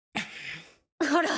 ほら。